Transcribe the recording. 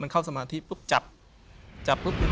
มันเข้าสมาธิปุ๊บจับนี่